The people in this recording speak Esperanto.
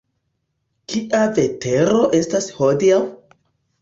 Kia vetero estas hodiaŭ?